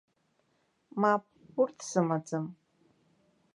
Мап, урҭ сымаӡам.